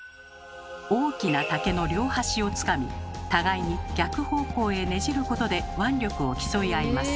大きな竹の両端をつかみ互いに逆方向へねじることで腕力を競い合います。